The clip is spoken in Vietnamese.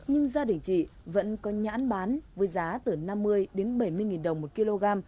nhưng gia đình chị vẫn có nhãn bán với giá từ năm mươi đến bảy mươi nghìn đồng một kg